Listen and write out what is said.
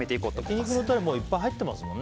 焼き肉のタレいっぱい入ってますもんね。